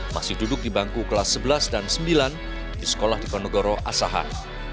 masih duduk di bangku kelas sebelas dan sembilan di sekolah diponegoro asahan